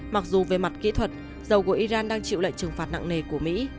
mặc dù về mặt kỹ thuật dầu của iran đang chịu lệnh trừng phạt nặng nề của mỹ